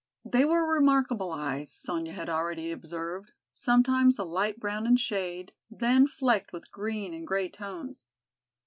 They were remarkable eyes, Sonya had already observed, sometimes a light brown in shade, then flecked with green and grey tones.